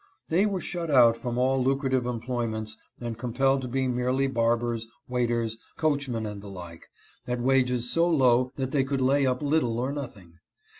They were shut out from all lucrative employments and compelled to be merely barbers, waiters, coachmen, and the like, at wages so low that they could lay up little or nothing.